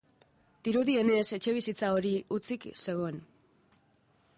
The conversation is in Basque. Dirudienez, etxebizitza hori hutsik zegoen.